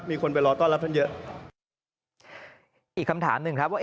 อีกคำถามหนึ่งครับ